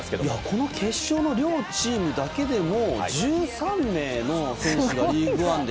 この決勝の両チームだけでも１３名の選手がリーグワンで。